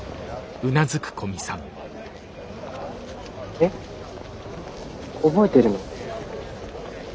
えっ覚えてるの？